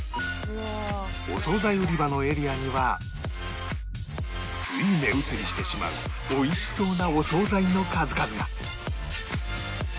お惣菜売り場のエリアにはつい目移りしてしまうおいしそうなお惣菜の数々が